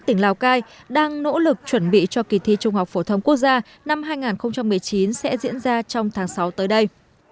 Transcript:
tỉnh lào cai đang nỗ lực chuẩn bị cho kỳ thi trung học phổ thông quốc gia năm hai nghìn một mươi chín sẽ diễn ra trong tháng sáu tới đây